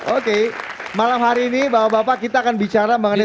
oke malam hari ini bapak bapak kita akan bicara mengenai